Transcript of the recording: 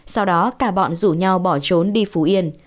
sau đó cả bọn rủ nhau bỏ trốn đi phú yên